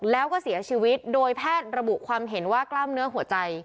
แล้วก็เสียชีวิตโดยแพทย์ระบุความเห็นว่ากล้ามเนื้อหัวใจ